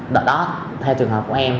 đó theo trường hợp của em